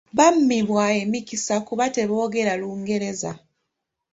Bammibwa emikisa kubanga teboogera Lungereza.